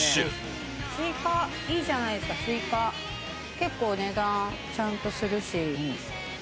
結構値段ちゃんとするし。